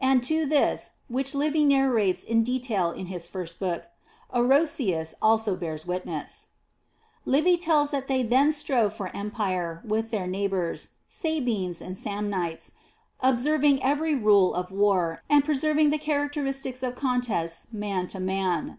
And to this, which Livy narrates in detail in his first book,* Orosius also bears witness/ 4. Livy tells that they then strove for Em pire with their neighbors, Sabines and Samnites, observing every rule of war, and preserving the characteristics of contests man to man, although X.